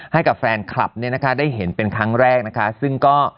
ให้กับแฟนคลับเนี่ยนะคะได้เห็นเป็นครั้งแรกนะคะซึ่งก็